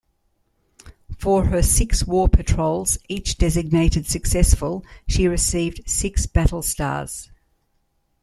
For her six war patrols, each designated "Successful", she received six battle stars.